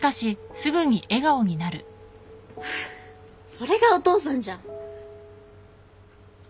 それがお父さんじゃん。